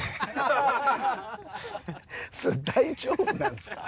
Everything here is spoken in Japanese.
それ大丈夫なんですか？